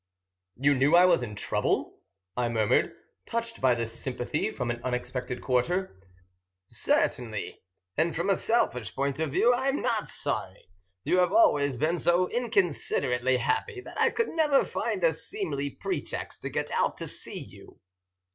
"You knew I was in trouble?" I murmured, touched by this sympathy from an unexpected quarter. "Certainly. And from a selfish point of view I am not sorry. You have always been so inconsiderately happy that I could never find a seemly pretext to get out to see you."